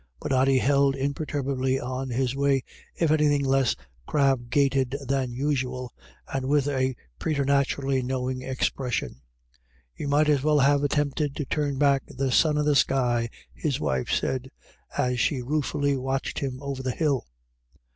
But Ody held imperturbably on his way, if anything less crab gaited than usual, and with a preternaturally knowing expression. " You might as well have attempted to turn back the sun in the sky," his wife said, as she ruefully watched him over the hill.